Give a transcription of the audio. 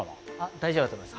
大丈夫だと思います